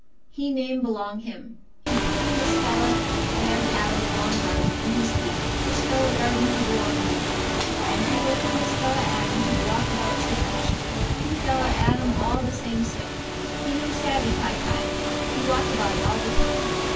He name belong him. He put him this fella man Adam along garden, and He speak, 'This fella garden he belong you.' And He look 'm this fella Adam he walk about too much. Him fella Adam all the same sick; he no savvee kai kai; he walk about all the time.